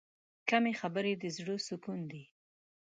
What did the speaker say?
کمې خبرې، د زړه سکون دی.